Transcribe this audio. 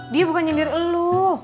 dia bukan nyindir lu